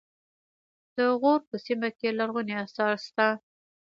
د غور په سیمه کې لرغوني اثار شته